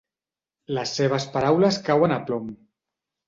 Les seves paraules cauen a plom.